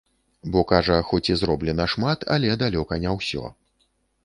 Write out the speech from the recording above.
Бо, кажа, хоць і зроблена шмат, але далёка не ўсё.